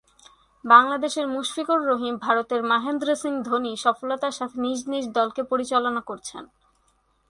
বাংলাদেশের মুশফিকুর রহিম, ভারতের মহেন্দ্র সিং ধোনি সফলতার সাথে নিজ নিজ দলকে পরিচালনা করছেন।